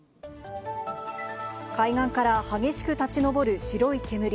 海岸から激しく立ち上る白い煙。